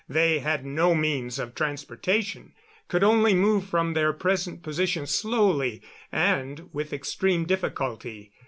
They had no means of transportation could only move from their present position slowly and with extreme difficulty.